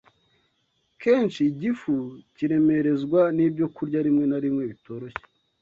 Kenshi igifu kiremerezwa n’ibyokurya rimwe na rimwe bitoroshye